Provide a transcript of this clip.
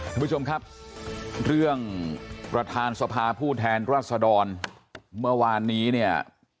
ท่านผู้ชมครับเรื่องประธานสภาผู้แทนรัศดรเมื่อวานนี้เนี่ย